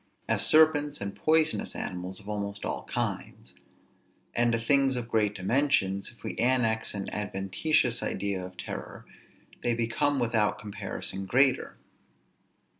As serpents and poisonous animals of almost all kinds. And to things of great dimensions, if we annex an adventitious idea of terror, they become without comparison greater.